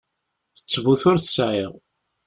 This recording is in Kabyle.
Ttbut ur t-sεiɣ.